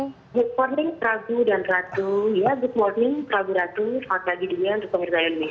good morning prabu dan ratu ya good morning prabu ratu